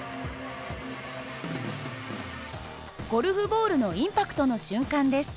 ゴルフボールのインパクトの瞬間です。